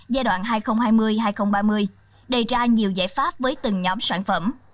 giai đoạn hai nghìn hai mươi hai nghìn ba mươi đề ra nhiều giải pháp với từng nhóm sản phẩm